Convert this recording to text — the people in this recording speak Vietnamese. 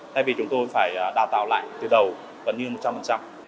thay vì chúng tôi phải đào tạo lại từ đầu gần như một trăm linh